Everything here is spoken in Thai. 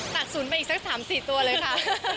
ตัดศูนย์ไปอีกสัก๓๔ตัวเลยค่ะ